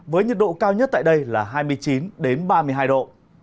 với nhiệt độ cao nhất tại đây là hai mươi chín ba mươi hai độ